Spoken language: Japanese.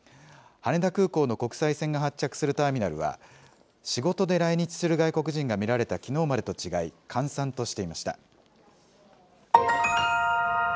羽田空港の国際線が発着するターミナルは、仕事で来日する外国人が見られたきのうまでと違い、閑散としていました。